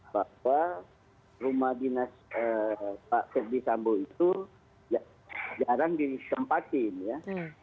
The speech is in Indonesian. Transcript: bahwa rumah dinas pak ferdi sambo itu jarang ditempatin ya